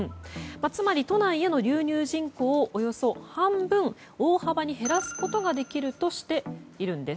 つまり都内への流入人口およそ半分を大幅に減らすことができるとしているんです。